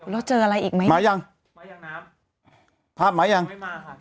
แล้วเจออะไรอีกไหมมายังมายังนะครับภาพมายังไม่มาค่ะ